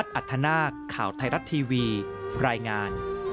โปรดติดตามตอนต่อไป